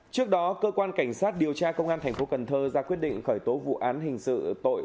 trước đó cơ quan cảnh sát điều tra công an thành phố cần thơ ra quyết định khởi tố vụ án hình sự tội